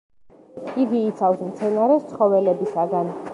იგი იცავს მცენარეს ცხოველებისაგან.